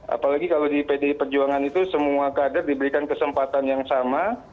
apalagi kalau di pdi perjuangan itu semua kader diberikan kesempatan yang sama